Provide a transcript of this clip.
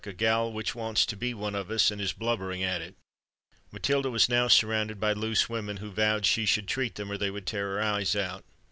a gal which wants to be one of us, and is blubbering at it!" Matilda was now surrounded by loose women, who vowed that she should treat them, or they would tear her eyes out.